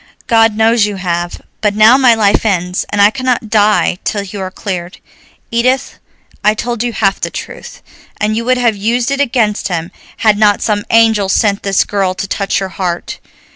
"God knows you have, but now my life ends, and I cannot die till you are cleared. Edith, I told you half the truth, and you would have used it against him had not some angel sent this girl to touch your heart.